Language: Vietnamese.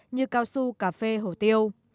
như cao su cà phê hổ tiêu